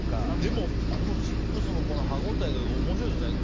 でもこのチップスの歯応えが面白いですね。